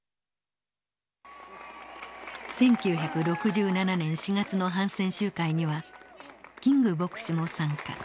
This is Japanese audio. １９６７年４月の反戦集会にはキング牧師も参加。